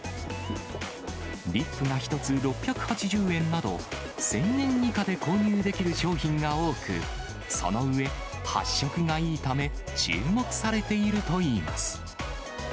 リップが１つ６８０円など、１０００円以下で購入できる商品が多く、その上、発色がいいため、注目されているといいます。